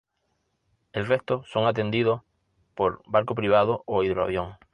El resto son atendidos por barco privado o hidroavión.